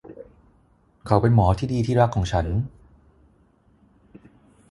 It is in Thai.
เขาเป็นหมอที่ดีที่รักของฉัน ?